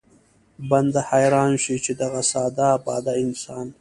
بنده حيران شي چې دغه ساده باده انسان